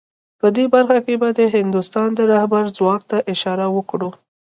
په دې برخه کې به د هندوستان د رهبر ځواک ته اشاره وکړو